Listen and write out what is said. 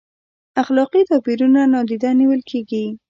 اخلاقي توپیرونه نادیده نیول کیږي؟